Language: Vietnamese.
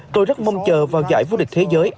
tôi rất mong chờ vào giải vô địch thế giới